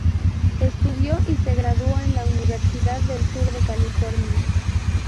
Estudió y se graduó de la Universidad del Sur de California.